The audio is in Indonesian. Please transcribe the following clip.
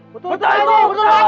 betul pak haji